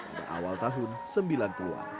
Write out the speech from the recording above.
pada awal tahun sembilan puluh an